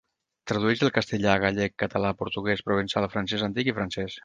Tradueix del castellà, gallec, català, portuguès, provençal, francès antic i francès.